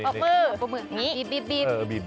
ปลบมือนี่บีบบีบ